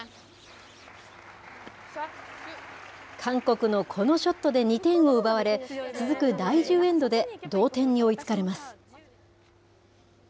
韓国のこのショットで２点を奪われ、続く第１０エンドで同点に追いつかれます。